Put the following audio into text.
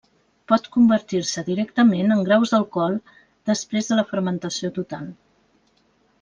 Pot convertir-se directament en graus d'alcohol després de la fermentació total.